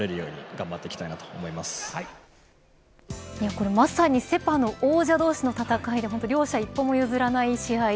これまさにセ、パの王者同士の戦いで本当、両者の一歩も譲らない試合。